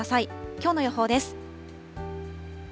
きょうの予報です。